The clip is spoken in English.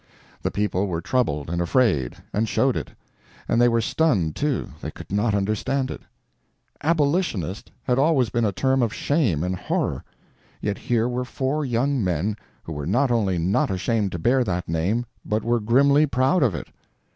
The people were troubled and afraid, and showed it. And they were stunned, too; they could not understand it. "Abolitionist" had always been a term of shame and horror; yet here were four young men who were not only not ashamed to bear that name, but were grimly proud of it.